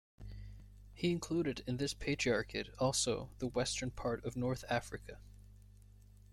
He included in this patriarchate also the western part of North Africa.